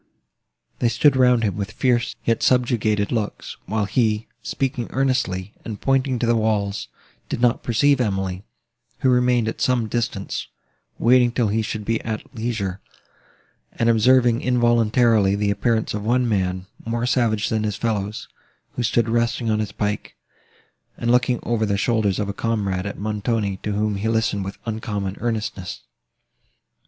They stood round him with fierce, yet subjugated, looks, while he, speaking earnestly, and pointing to the walls, did not perceive Emily, who remained at some distance, waiting till he should be at leisure, and observing involuntarily the appearance of one man, more savage than his fellows, who stood resting on his pike, and looking, over the shoulders of a comrade, at Montoni, to whom he listened with uncommon earnestness.